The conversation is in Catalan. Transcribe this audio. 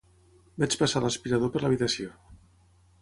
Vaig passar l'aspirador per l'habitació.